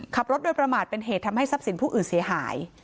ขับรถโดยประมาทเป็นเหตุทำให้ทรัพย์สินผู้อื่นเสียหาย